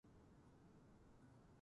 君はトイレに行きたいのかい？